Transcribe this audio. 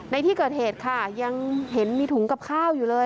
ในที่เกิดเหตุค่ะยังเห็นมีถุงกับข้าวอยู่เลย